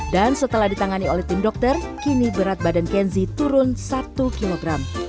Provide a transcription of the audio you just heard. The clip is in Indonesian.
dan setelah ditangani oleh tim dokter kini berat badan kenzi turun satu kg